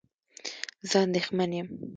زه اندېښمن یم